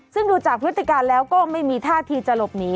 ซึ่งดูจากพฤติการแล้วก็ไม่มีท่าทีจะหลบหนี